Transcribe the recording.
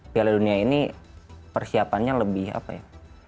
piala dunia ini persiapannya lebih apa ya